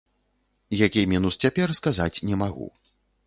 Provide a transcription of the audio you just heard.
Які мінус цяпер, сказаць не магу.